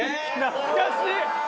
懐かしい！